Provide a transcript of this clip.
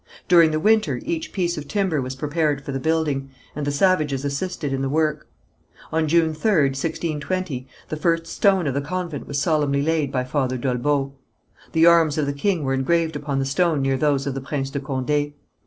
During the winter each piece of timber was prepared for the building, and the savages assisted in the work. On June 3rd, 1620, the first stone of the convent was solemnly laid by Father d'Olbeau. The arms of the king were engraved upon the stone near those of the Prince de Condé.